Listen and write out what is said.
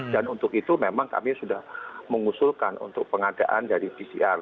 dan untuk itu memang kami sudah mengusulkan untuk pengadaan dari pcr